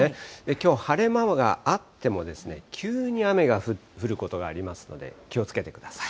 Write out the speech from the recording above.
きょう、晴れ間があってもですね、急に雨が降ることがありますので気をつけてください。